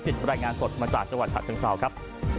แก้ววิจิตรบรรยายงานสดมาจากจังหวัดฉะเชิงเซาท์ครับ